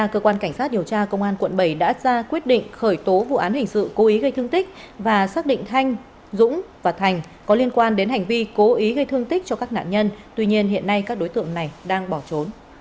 cơ quan cảnh sát điều tra tp hcm cho biết đang truy tìm ba đối tượng gồm lê việt thanh chú tại quận tám và lê văn thành chú tại quận tám để điều tra về hành vi cố ý gây thương tích